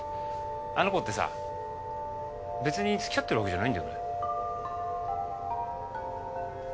あの子ってさ別に付き合ってるわけじゃないんだよね？